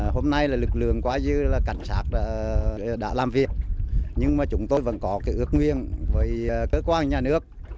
hôm nay là lực lượng quá dư là cảnh sát đã làm việc nhưng mà chúng tôi vẫn có ước nguyên với cơ quan nhà nước